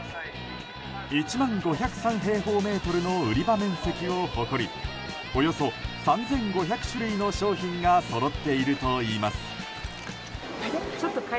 １万５０３平方メートルの売り場面積を誇りおよそ３５００種類の商品がそろっているといいます。